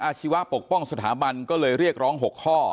ชีวะปกป้องสถาบันก็เลยเรียกร้อง๖ข้อ